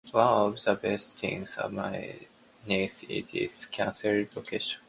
One of the best things about my neighborhood is its central location.